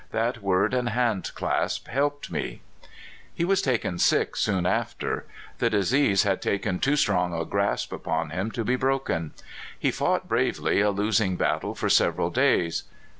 That word and hand clasp helped me. He was taken sick soon after. The disease had taken too strong a grasp upon him to be broken. He fought bravely a losing battle for several days.